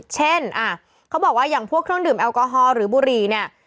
เช่นเขาบอกว่าอย่างพวกเครื่องดื่มแอลกอฮอล์หรือบุหรี่เนี่ย